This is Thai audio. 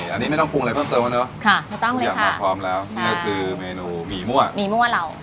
อันนี้ไม่ต้องพุงอะไรเพิ่มเติมแล้วน่ะค่ะไม่ต้องเลยค่ะทุกอย่างพร้อมแล้วนี่ก็คือเมนูหมี่มั่วหมี่มั่วเหล่า